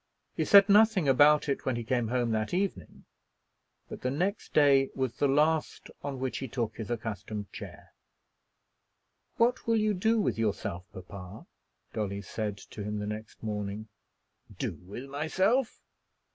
He said nothing about it when he came home that evening: but the next day was the last on which he took his accustomed chair. "What will you do with yourself, papa?" Dolly said to him the next morning. "Do with myself?"